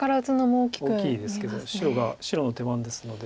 大きいですけど白が白の手番ですので。